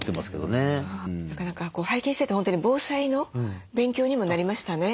なかなか拝見してて本当に防災の勉強にもなりましたね。